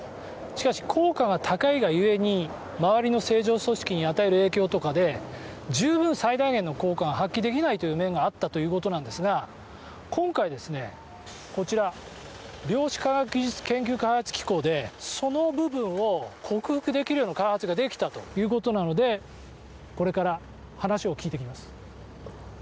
しかし、効果が高いが故に周りの正常組織に与える影響とかで十分最大限の効果が発揮できないという面があったということですが今回、こちら量子科学技術研究開発機構でその部分を克服できる開発ができたということなのでこれから話を聞いてきます。